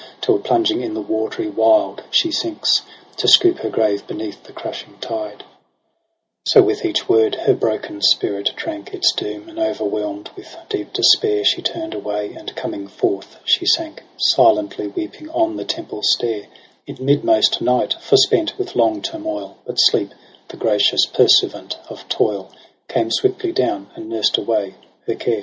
Till plunging in the watery wild she sinks. To scoop her grave beneath the crushing tide : 17 So with each word her broken spirit drank Its doom ; and overwhelmed with deep despair She turn'd away, and coming forth she sank Silently weeping on the temple stair, In midmost night, forspent with long turmoil : But sleep, the gracious pursuivant of toil, Came swiftly down, and nursed away her care.